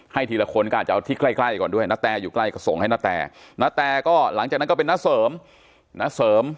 ทีละคนก็อาจจะเอาที่ใกล้ก่อนด้วยณแตอยู่ใกล้ก็ส่งให้นาแตณแตก็หลังจากนั้นก็เป็นน้าเสริมณเสริม